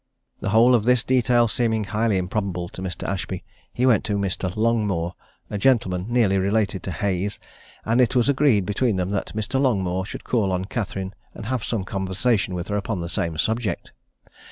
The whole of this detail seeming highly improbable to Mr. Ashby, he went to Mr. Longmore, a gentleman nearly related to Hayes; and it was agreed between them that Mr. Longmore should call on Catherine, and have some conversation with her upon the same subject.